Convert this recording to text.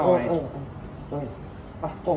เอาไป